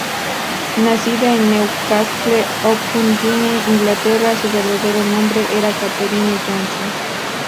Nacida en Newcastle upon Tyne, Inglaterra, su verdadero nombre era Katherine Johnson.